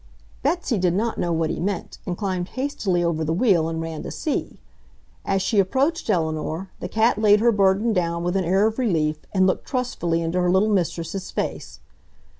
Betsy did not know what he meant and climbed hastily over the wheel and ran to see. As she approached Eleanor, the cat laid her burden down with an air of relief and looked trustfully into her little mistress's face.